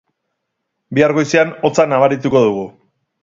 Bihar goizean hotza nabarituko dugu.